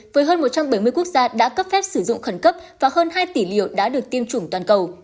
với hơn một trăm bảy mươi quốc gia đã cấp phép sử dụng khẩn cấp và hơn hai tỷ liều đã được tiêm chủng toàn cầu